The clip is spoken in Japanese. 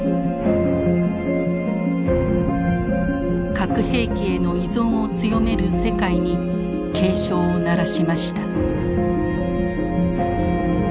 核兵器への依存を強める世界に警鐘を鳴らしました。